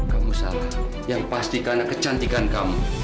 kamu salah yang pasti karena kecantikan kamu